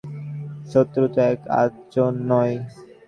শত্রু তো এক-আধ জন নয়।